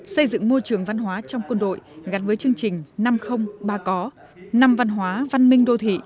xây dựng môi trường văn hóa trong quân đội gắn với chương trình năm ba có năm văn hóa văn minh đô thị